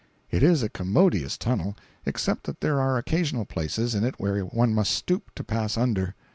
It is a commodious tunnel, except that there are occasional places in it where one must stoop to pass under.